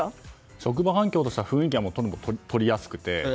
職場環境としては雰囲気は取りやすくて。